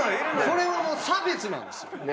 これはもう差別なんですよ。